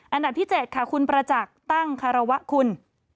อันดับที่๗ค่ะคุณประจักษ์ตั้งคารวะคุณ